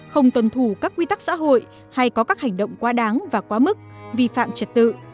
không tuân thủ các quy tắc xã hội hay có các hành động quá đáng và quá mức vi phạm trật tự